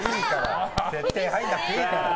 設定入らなくていいから。